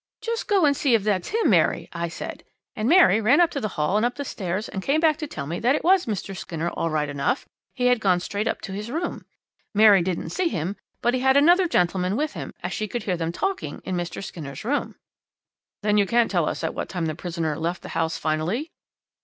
"Just go and see if that's him, Mary," I said, and Mary ran up to the hall and up the stairs, and came back to tell me that that was Mr. Skinner all right enough; he had gone straight up to his room. Mary didn't see him, but he had another gentleman with him, as she could hear them talking in Mr. Skinner's room.' "'Then you can't tell us at what time the prisoner left the house finally?'